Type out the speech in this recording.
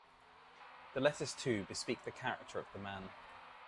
The letters, too, bespeak the character of the man.